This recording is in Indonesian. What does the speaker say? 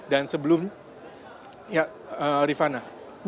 dan sebelum rifana